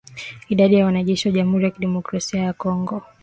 Idadi ya wanajeshi wa jamhuri ya kidemokrasia ya Kongo